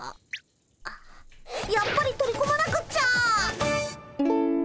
やっぱり取り込まなくっちゃ！